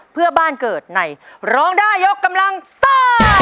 เพื่อบ้านเกิดในร้องได้ยกกำลังซ่า